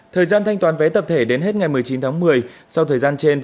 thời gian thanh toán vé tập thể đến hết ngày một mươi chín tháng một mươi sau thời gian trên